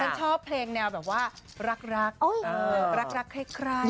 ชอบเพลงแนวแบบว่ารักรักใคร